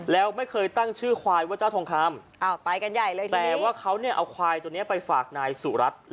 แล้วไม่เคยตั้งชื่อควายว่าเจ้าทองคำไปกันใหญ่เลยแต่ว่าเขาเนี่ยเอาควายตัวนี้ไปฝากนายสุรัตน์